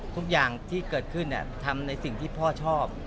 ทุกอย่างที่เกิดขึ้นทำในสิ่งที่พ่อชอบ